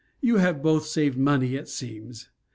You have both saved money, it seems.